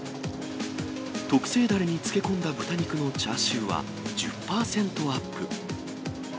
特製だれに漬け込んだ豚肉のチャーシューは１０％アップ。